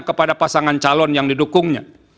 kepada pasangan calon yang didukungnya